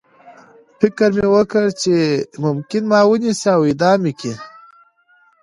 فکر مې وکړ چې ممکن ما ونیسي او اعدام مې کړي